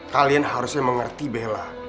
kalian harusnya mengerti bella